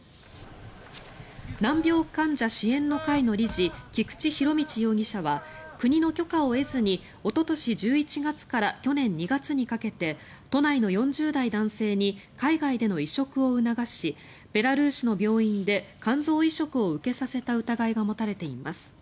難病患者支援の会の理事菊池仁達容疑者は国の許可を得ずにおととし１１月から去年２月にかけて都内の４０代男性に海外での移植を促しベラルーシの病院で肝臓移植を受けさせた疑いが持たれています。